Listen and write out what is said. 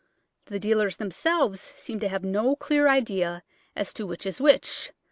The dealers themselves seem to have no clear idea as to which is which.